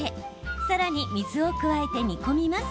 さらに水を加えて煮込みます。